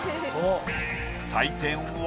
採点は。